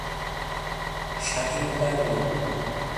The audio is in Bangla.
স্বাধীনতার নামে।